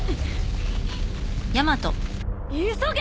急げ！